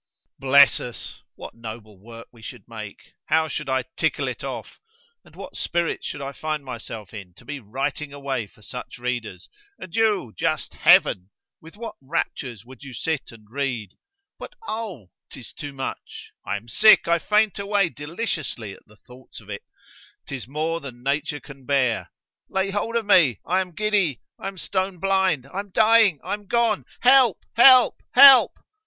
Bless us!—what noble work we should make!——how should I tickle it off!——and what spirits should I find myself in, to be writing away for such readers!——and you—just heaven!——with what raptures would you sit and read—but oh!—'tis too much——I am sick——I faint away deliciously at the thoughts of it—'tis more than nature can bear!—lay hold of me——I am giddy—I am stone blind—I'm dying—I am gone.—Help! Help! Help!